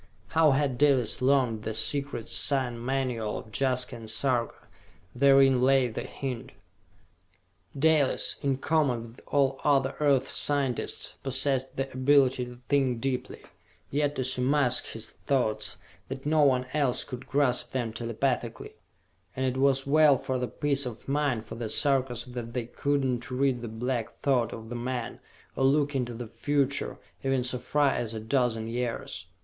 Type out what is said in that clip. How had Dalis learned the secret sign manual of Jaska and Sarka? Therein lay the hint. Dalis, in common with all other Earth's scientists, possessed the ability to think deeply, yet to so mask his thoughts that no one else could grasp them telepathically and it was well for the peace of mind of the Sarkas that they could not read the black thought of the man, or look into the future, even so far as a dozen years.